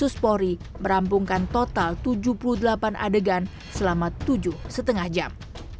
mabespori merampungkan total tujuh puluh delapan adegan selama tujuh lima jam